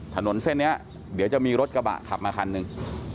ถนนเส้นนี้เดี๋ยวจะมีรถกระบะขับมาคันหนึ่ง